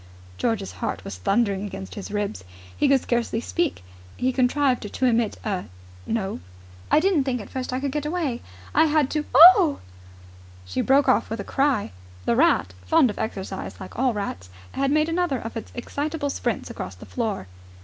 George's heart was thundering against his ribs. He could scarcely speak. He contrived to emit a No. "I didn't think at first I could get away. I had to ..." She broke off with a cry. The rat, fond of exercise like all rats, had made another of its excitable sprints across the floor.